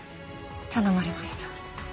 頼まれました。